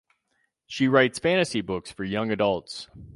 She writes fantasy books for young adults.